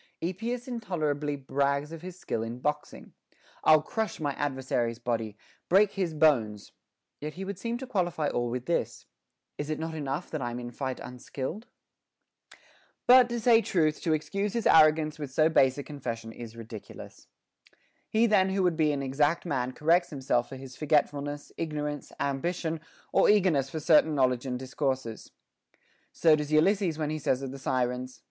Epeus intolerably brags of his skill in boxing, I'll crush my adversary's body, break his bones; yet he would seem to qualify all with this, Is 't not enough that I'm in fight unskilled ?* But, to say truth, to excuse his arrogance with so base a confession is ridiculous. He then who would be an exact man corrects himself for his forgetfulness, ignorance, am bition, or eagerness for certain knowledge and discourses. So does Ulysses when he says of the Sirens.